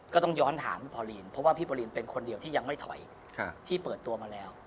ก็ต้องย้อนถามพอลีนเพราะว่าพี่ปอลีนเป็นคนเดียวที่ยังไม่ถอยที่เปิดตัวมาแล้ว